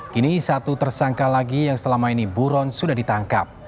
kini satu tersangka lagi yang selama ini buron sudah ditangkap